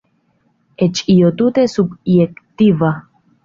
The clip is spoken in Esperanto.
Eĉ io tute subjektiva.